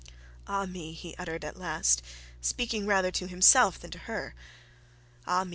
'Ah, me!' he uttered at last, speaking rather to himself than to her. 'Ah, me!